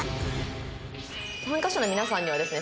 参加者の皆さんにはですね